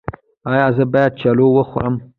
ایا زه باید چلو وخورم؟